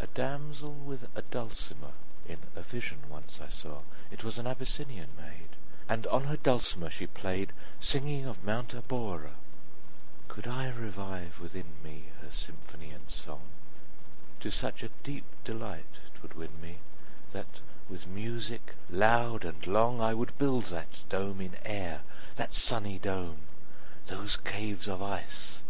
A damsel with a dulcimer In a vision once I saw: It was an Abyssinian maid, And on her dulcimer she play'd, 40 Singing of Mount Abora. Could I revive within me, Her symphony and song, To such a deep delight 'twould win me, That with music loud and long, 45 I would build that dome in air, That sunny dome! those caves of ice!